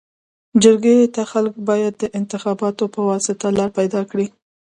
جرګي ته خلک باید د انتخاباتو پواسطه لار پيداکړي.